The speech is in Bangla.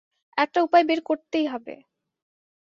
একটা উপায় বের করতেই হবে।